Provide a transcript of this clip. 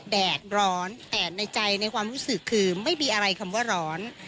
แดดร้อนแต่ในใจในความรู้สึกคือไม่มีอะไรคำว่าร้อน